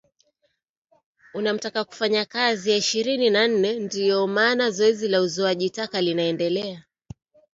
unamtaka kufanya kazi saa ishirini na nne ndio maana zoezi la uzoaji taka linaendelea